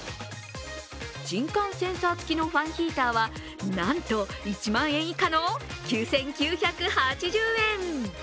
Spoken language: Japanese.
人感センサーつきのファンヒーターは、なんと１万円以下の９９８０円。